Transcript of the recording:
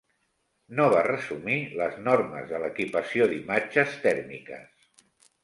No va resumir les normes de l'equipació d'imatges tèrmiques.